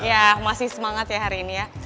ya masih semangat ya hari ini ya